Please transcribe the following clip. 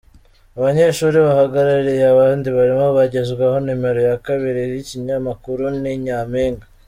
Abanyeshuri bahagarariye abandi barimo bagezwaho numero ya kabiri y'ikinyamakuru Ni nyampinga.